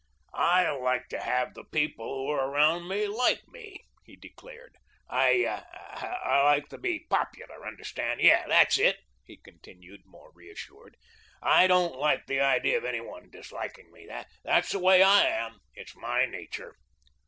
"I like to have the people who are around me like me," he declared. "I I like to be popular, understand? Yes, that's it," he continued, more reassured. "I don't like the idea of any one disliking me. That's the way I am. It's my nature."